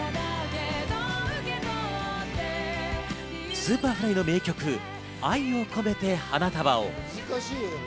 Ｓｕｐｅｒｆｌｙの名曲、『愛をこめて花束を』。